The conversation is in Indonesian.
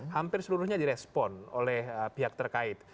hampir seluruhnya direspon oleh pihak terkait